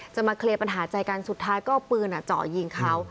จะมาเคลียร์ปัญหาใจกันสุดท้ายก็เอาปืนเจาะยิงเขา